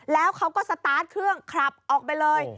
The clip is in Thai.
แล้วเขาก็สตาร์ทเครื่องขับออกไปเลย